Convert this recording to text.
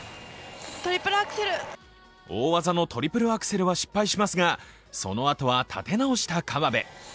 大技のトリプルアクセルは失敗しますがそのあとは立て直した河辺。